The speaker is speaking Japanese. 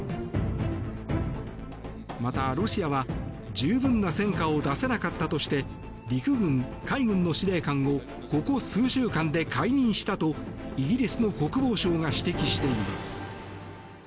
また、ロシアは十分な戦果を出せなかったとして陸軍、海軍の司令官をここ数週間で解任したとイギリスの国防省が指摘しています。